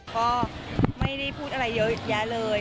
ก็ไม่ได้พูดอะไรเยอะแยะเลย